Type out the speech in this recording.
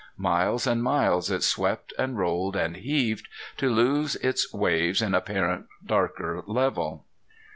Miles and miles it swept and rolled and heaved, to lose its waves in apparent darker level.